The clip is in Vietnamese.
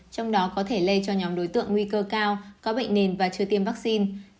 trong đó có thể lây cho nhóm đối tượng nguy cơ cao có bệnh nền và chưa tiêm vaccine